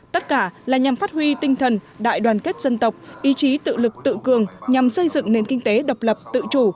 tất cả là nhằm phát huy tinh thần đại đoàn kết dân tộc ý chí tự lực tự cường nhằm xây dựng nền kinh tế độc lập tự chủ